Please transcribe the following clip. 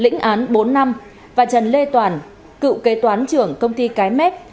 lĩnh án bốn năm và trần lê toàn cựu kế toán trưởng công ty cái mép